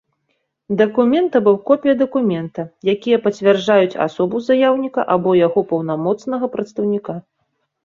Дакумент або копiя дакумента, якiя пацвярджаюць асобу заяўнiка або яго паўнамоцнага прадстаўнiка.